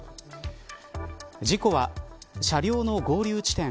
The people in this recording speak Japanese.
事故は車両の合流地点